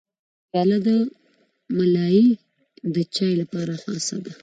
پیاله د ملای د چای لپاره خاصه ده.